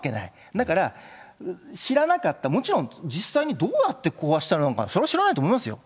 だから知らなかった、もちろん、実際にどうやって壊したのか、それは知らないと思いますよ。